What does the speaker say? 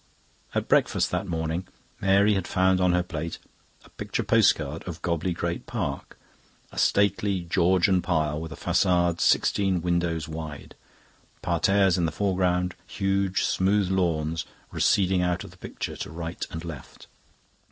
At breakfast that morning Mary had found on her plate a picture postcard of Gobley Great Park. A stately Georgian pile, with a facade sixteen windows wide; parterres in the foreground; huge, smooth lawns receding out of the picture to right and left.